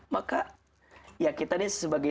maka ya kita nih sebagai